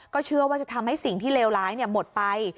เชื่อว่าจะทำให้สิ่งที่เลวร้ายหมดไป